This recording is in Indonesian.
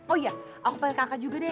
oh iya aku pengen kakak juga deh